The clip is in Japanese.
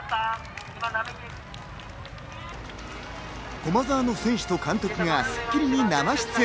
駒澤の選手と監督が『スッキリ』に生出演。